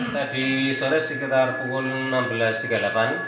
tadi sore sekitar pukul enam belas tiga puluh delapan